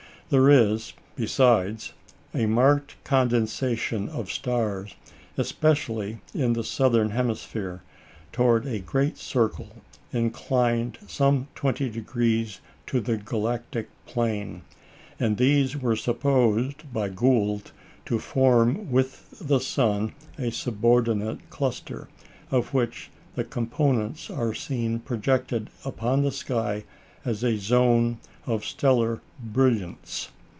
There is, besides, a marked condensation of stars, especially in the southern hemisphere, towards a great circle inclined some twenty degrees to the galactic plane; and these were supposed by Gould to form with the sun a subordinate cluster, of which the components are seen projected upon the sky as a zone of stellar brilliants.